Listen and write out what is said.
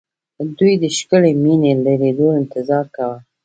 دوی د ښکلې مينې د ليدو انتظار کاوه